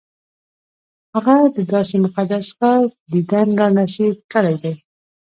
هغه د داسې مقدس ښار دیدن را نصیب کړی دی.